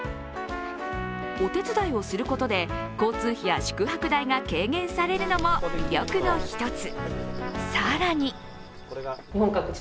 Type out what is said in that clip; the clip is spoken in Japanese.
お手伝いをすることで交通費や宿泊費が軽減されることも魅力の一つ。